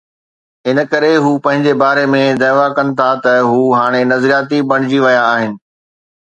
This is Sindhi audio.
ان ڪري هو پنهنجي باري ۾ دعويٰ ڪن ٿا ته هو هاڻي نظرياتي بڻجي ويا آهن.